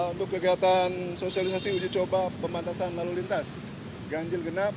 untuk kegiatan sosialisasi uji coba pembatasan lalu lintas ganjil genap